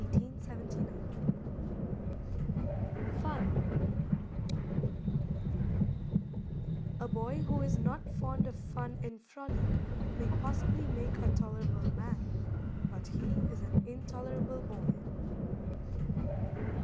] [Illustration: FUN] A Boy who is not fond of fun and frolic may possibly make a tolerable man, but he is an intolerable boy.